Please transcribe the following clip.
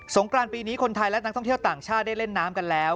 กรานปีนี้คนไทยและนักท่องเที่ยวต่างชาติได้เล่นน้ำกันแล้ว